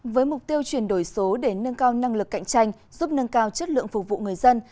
với mục tiêu chuyển đổi số để nâng cao năng lực cạnh tranh giúp nâng cao chất lượng phục vụ người dân